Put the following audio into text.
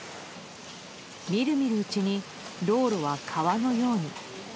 見る見るうちに道路は川のように。